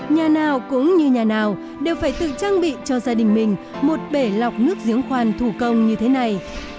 nhà nào cũng như nhà nào đều phải tự trang bị cho gia đình mình một bể lọc nước giếng khoan thủ công như thế này